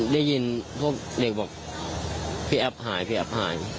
ได้ยินพวกเด็กบอกพี่แอฟหายพี่แอฟหาย